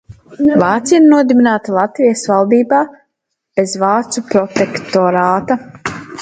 Vācijā ir nodibināta Latvijas valdība bez vācu protektorāta.